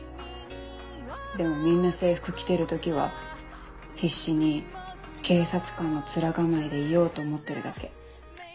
でもみんな制服着てる時は必死に警察官の面構えでいようと思ってるだけ。